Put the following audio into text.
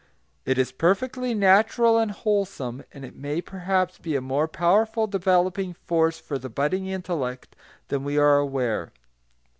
It is perfectly natural and wholesome, and it may perhaps be a more powerful developing force for the budding intellect than we are aware.